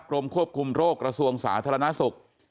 กรมควบคุมโรคกระทรวงสาธารณสุข